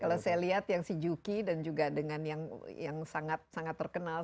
kalau saya lihat yang si juki dan juga dengan yang sangat sangat terkenal